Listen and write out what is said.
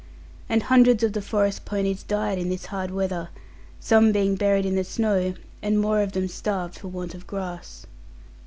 And hundreds of the forest ponies died in this hard weather, some being buried in the snow, and more of them starved for want of grass.